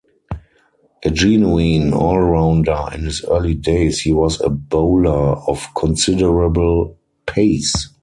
A genuine all-rounder, in his early days he was a bowler of considerable pace.